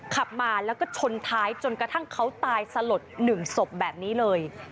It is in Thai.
ขับมาแล้วก็ชนท้ายจนกระทั่งเขาตายสลด๑ศพแบบนี้เลย